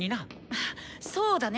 あそうだね！